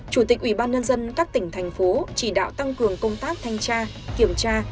bốn chủ tịch ubnd các tỉnh thành phố chỉ đạo tăng cường công tác thanh tra kiểm tra